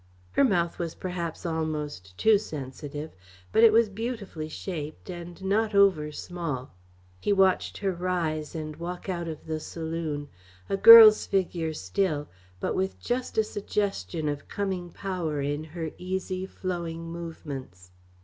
Her mouth was perhaps almost too sensitive, but it was beautifully shaped, and not over small. He watched her rise and walk out of the saloon; a girl's figure still, but with just a suggestion of coming power in her easy, flowing movements.